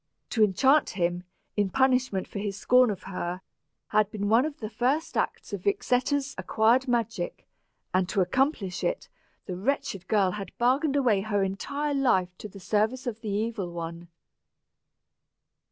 To enchant him, in punishment for his scorn of her, had been one of the first acts of Vixetta's acquired magic; and to accomplish it, the wretched girl had bargained away her entire life to the service of the Evil One.